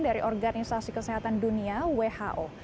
dari organisasi kesehatan dunia who